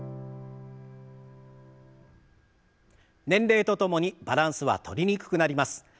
年齢とともにバランスはとりにくくなります。